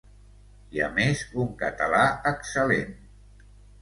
I a més un català excel·lent.